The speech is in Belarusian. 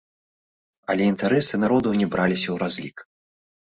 Але інтарэсы народаў не браліся ў разлік.